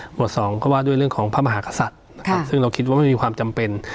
สองก็ว่าด้วยเรื่องของพระมหากษัตริย์นะครับซึ่งเราคิดว่าไม่มีความจำเป็น